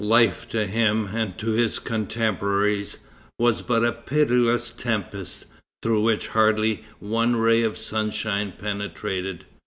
Life to him, and to his cotemporaries, was but a pitiless tempest, through which hardly one ray of sunshine penetrated.